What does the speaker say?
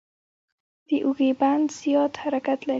د اوږې بند زیات حرکت لري.